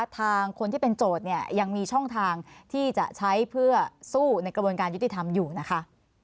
ทางคนที่เป็นโจทย์เนี่ยยังมีช่องทางที่จะใช้เพื่อสู้ในกระบวนการยุติธรรมอยู่นะคะ